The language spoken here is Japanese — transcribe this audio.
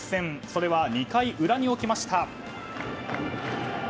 それは２回裏に起きました。